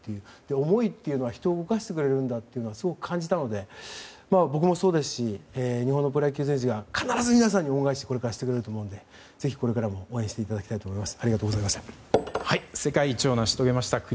思いというのは人を動かしてくれるんだとすごく感じたので僕もそうですし日本のプロ野球選手が必ず皆さんに恩返しをこれからしてくれるのでぜひ、これからも応援していただきたいと思います。